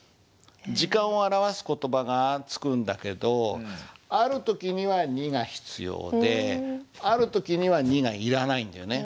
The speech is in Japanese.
時間を表す言葉がつくんだけどある時には「に」が必要である時には「に」がいらないんだよね。